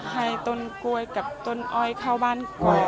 อ่อไข่ตนกล้วยกับตนอ่อยเข้าบ้าน